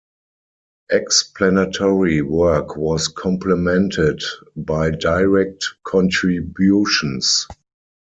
Explanatory work was complemented by direct contributions.